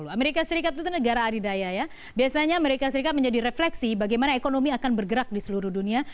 amerika serikat itu negara adidaya ya biasanya amerika serikat menjadi refleksi bagaimana ekonomi akan bergerak di seluruh dunia